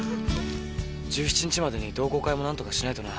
１７日までに同好会も何とかしないとな。